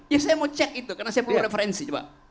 ya saya mau cek itu karena saya perlu referensi